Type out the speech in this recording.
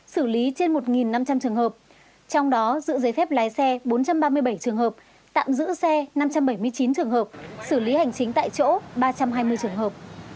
xử lý trên một năm trăm linh trường hợp trong đó giữ giấy phép lái xe bốn trăm ba mươi bảy trường hợp tạm giữ xe năm trăm bảy mươi chín trường hợp xử lý hành chính tại chỗ ba trăm hai mươi trường hợp